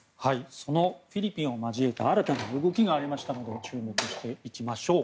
そのフィリピンを交えた新たな動きがありましたので見ていきましょう。